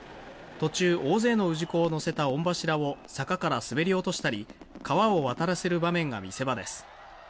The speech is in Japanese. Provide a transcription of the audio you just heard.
途中、大勢の氏子を乗せた御柱を坂から滑り落としたり川を渡らせる場面が見せ場です。